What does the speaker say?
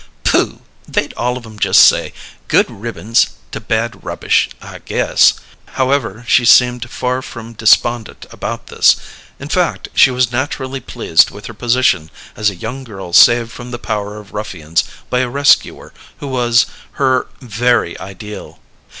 "Pooh! They'd all of 'em just say: 'Good ribbons to bad rubbish,' I guess!" However, she seemed far from despondent about this; in fact, she was naturally pleased with her position as a young girl saved from the power of ruffians by a rescuer who was her Very Ideal.